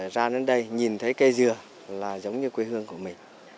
ra đến đây nhìn thấy cây dừa là giống như quê hương của mình